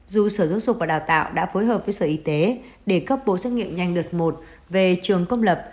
dù sở giáo dục và đào tạo đã phối hợp với sở y tế để cấp bộ xét nghiệm nhanh đợt một về trường công lập